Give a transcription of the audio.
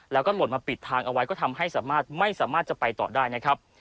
แล้วก็หล่นมาปิดทางเอาไว้ก็ทำให้สามารถไม่สามารถจะไปต่อได้นะครับ